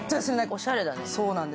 おしゃれだね。